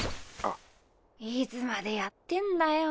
いつまでやってんだよ。